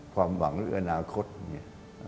ความหวังหรืออนาคตเนี่ย